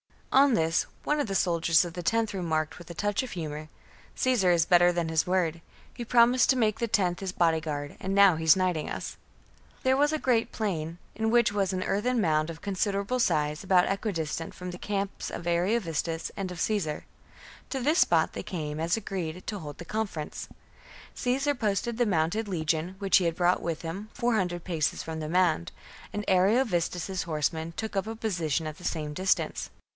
On this, one of the soldiers of the loth remarked with a touch of humour, " Caesar is better than his word ; he promised to make the loth his bodyguard, and now he's knighting us." 43. There was a great plain, in which was xheconfer an earthen mound of considerable size about equi pfacefnthe distant from the camps of Ariovistus and of Aisaie° Caesar. To this spot they came, as agreed, to hold the conference. Caesar posted the mounted legion, which he had brought with him, four hundred paces from the mound ; and Ariovistus's horsemen took up a position at the same distance.